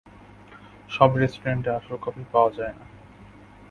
সব রেস্টুরেন্টে আসল কফি পাওয়া যায় না।